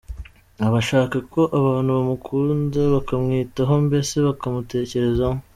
Aba ashaka ko abantu bamukunda, bakamwitaho, mbese bakamutekerezaho.